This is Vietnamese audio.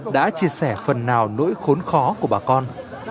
đã chia sẻ phần nào nỗi khốn khó của bà con